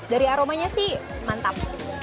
dari aromanya sih mantap